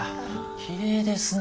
きれいですね。